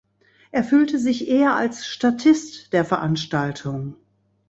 Er fühlte sich eher als Statist der Veranstaltung.